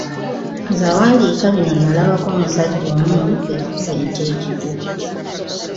Nze awandiika bino nalabako omusajja omu eyakuba ente ekigwo.